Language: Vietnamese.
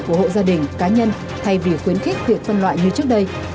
của hộ gia đình cá nhân thay vì khuyến khích việc phân loại như trước đây